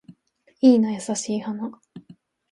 いいな優しい花